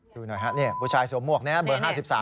ดูหน่อยฮะผู้ชายสวมหวกนี้เบอร์๕๓